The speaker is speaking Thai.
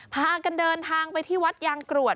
พากันเดินทางไปที่วัดยางกรวด